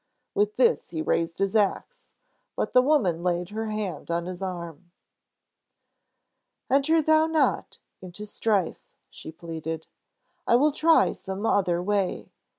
With this he raised his ax, but the woman laid her hand on his arm. "Enter thou not into strife!" she pleaded. "I will try some other way.